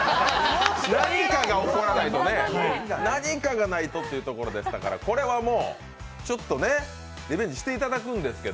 何かが起こらないとね、何かがないとというところでしたからこれはもう、ちょっとね、リベンジしていただくんですけど。